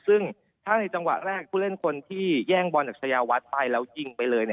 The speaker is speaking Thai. ซึ่งถ้าในจังหวะแรกผู้เล่นคนที่แย่งบอลจากชายวัดไปแล้วยิงไปเลย